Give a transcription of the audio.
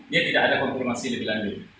dia tidak ada konfirmasi lebih lanjut